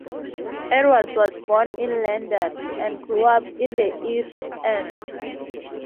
Edwards was born in London and grew up in the East End.